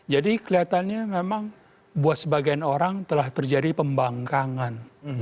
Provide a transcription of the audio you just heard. jadi kelihatannya memang buat sebagian orang telah terjadi pembangkangan